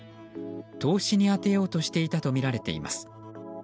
投資に充てようとしていたとみられています。